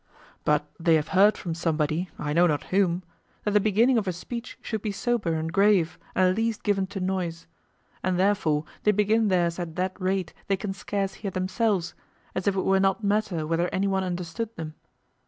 But they have heard from somebody, I know not whom, that the beginning of a speech should be sober and grave and least given to noise. And therefore they begin theirs at that rate they can scarce hear themselves, as if it were not matter whether anyone understood them.